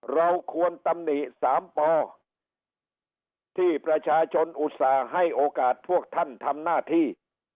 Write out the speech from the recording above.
เราควรตำหนิสามปที่ประชาชนอุตส่าห์ให้โอกาสพวกท่านทำหน้าที่